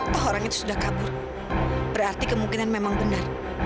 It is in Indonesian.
toh orang itu sudah kabur berarti kemungkinan memang benar